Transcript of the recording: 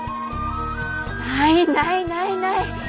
ないないないない。